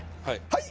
はい！